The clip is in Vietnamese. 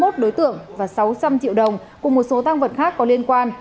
hai mươi một đối tượng và sáu trăm linh triệu đồng cùng một số tăng vật khác có liên quan